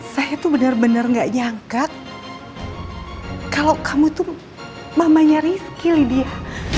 saya tuh bener bener gak nyangka kalau kamu tuh mamanya rizky lydia